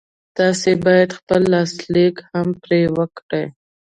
تاسې بايد خپل لاسليک هم پرې وکړئ.